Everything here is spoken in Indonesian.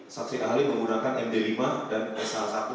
saksi ahli menggunakan md lima dan s satu